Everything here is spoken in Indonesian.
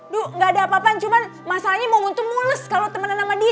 duh gak ada apa apaan cuman masalahnya momon tuh mules kalo temenan sama dia